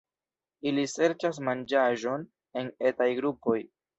Ili serĉas manĝaĵon en etaj grupoj.